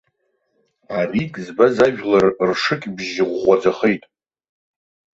Арик збаз ажәлар ршыкьбжьы ӷәӷәаӡахеит.